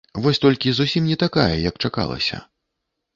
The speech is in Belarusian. Вось толькі зусім не такая, як чакалася.